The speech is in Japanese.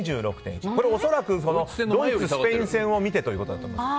恐らくドイツ、スペイン戦を見てということだと思います。